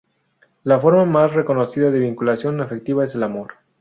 La forma más reconocida de vinculación afectiva es el amor.